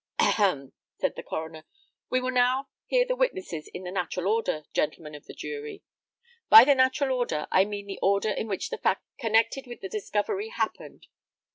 "Ahem!" said the coroner. "We will now hear the witnesses in the natural order, gentlemen of the jury. By the natural order, I mean the order in which the facts connected with the discovery happened.